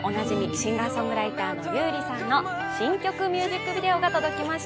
シンガーソングライターの優里さんの、新曲ミュージックビデオが届きました。